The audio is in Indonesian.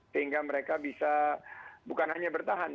sehingga mereka bisa bukan hanya bertahan